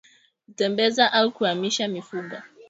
Kutembeza au kuhamisha mifugo